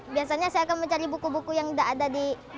biasanya saya akan mencari buku buku yang udah ada di